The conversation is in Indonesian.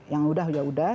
yang sudah ya sudah